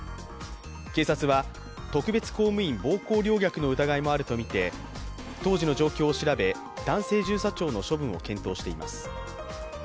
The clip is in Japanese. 警察は特別公務員暴行陵虐の疑いもあるとみて当時の状況を調べ男性巡査長の処分を検討しています。